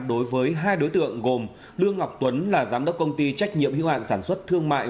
đối với hai đối tượng gồm lương ngọc tuấn là giám đốc công ty trách nhiệm hữu hạn sản xuất thương mại